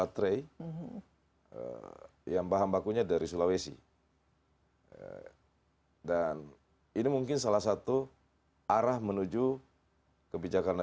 tahun dua ribu dua puluh dua sudah seluruhnya